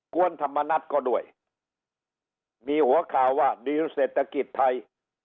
วนธรรมนัฐก็ด้วยมีหัวข่าวว่าดีลเศรษฐกิจไทย